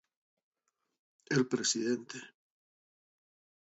El presidente